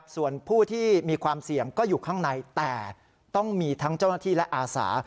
ส่วนผู้ที่มีความเสี่ยงก็อยู่ข้างในแต่ต้องมีทั้งเจ้าหน้าที่และอาสา